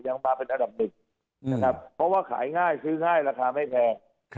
ยังมาเป็นอันดับหนึ่งนะครับเพราะว่าขายง่ายซื้อง่ายราคาไม่แพง